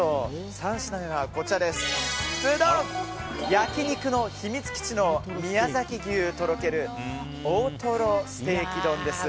３品目は、焼肉のひみつ基地の宮崎牛とろける大トロステーキ丼です。